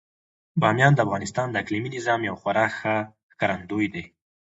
بامیان د افغانستان د اقلیمي نظام یو خورا ښه ښکارندوی دی.